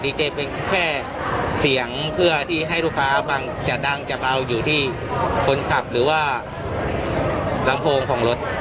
เจเป็นแค่เสียงเพื่อที่ให้ลูกค้าฟังจะดังจะเบาอยู่ที่คนขับหรือว่าลำโพงของรถ